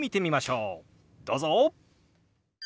どうぞ！